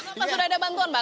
apakah sudah ada bantuan mbak